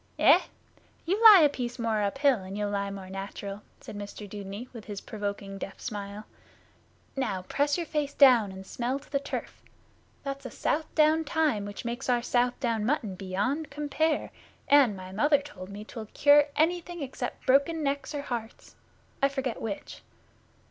'Eh? You lie a piece more uphill and you'll lie more natural,' said Mr Dudeney, with his provoking deaf smile. 'Now press your face down and smell to the turf. That's Southdown thyme which makes our Southdown mutton beyond compare, and, my mother told me, 'twill cure anything except broken necks, or hearts. I forget which.